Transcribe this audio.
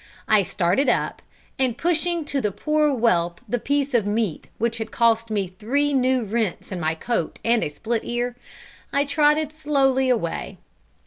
I started up, and pushing to the poor whelp the piece of meat which had cost me three new rents in my coat and a split ear, I trotted slowly away.